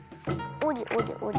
おりおりおり。